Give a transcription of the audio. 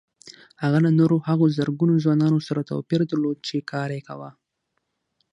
هغه له نورو هغو زرګونه ځوانانو سره توپير درلود چې کار يې کاوه.